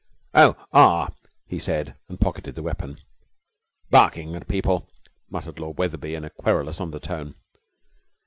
'Oh, ah!' he said, and pocketed the weapon. 'Barking at people!' muttered Lord Wetherby in a querulous undertone.